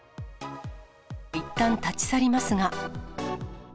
いったん立ち去りますが。